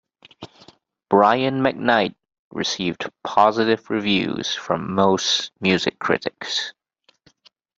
"Brian McKnight" received positive reviews from most music critics.